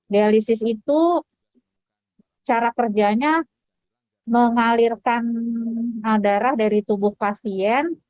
dialisis itu cara kerjanya mengalirkan darah dari tubuh pasien